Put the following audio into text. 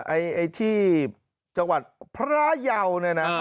ไอ้ที่จังหวัดพระเยาเนี่ยนะ